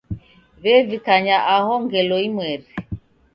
W'evikanya aho ngelo imweri.